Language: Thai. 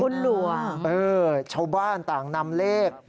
โอเคชาวบ้านต่างนำเลข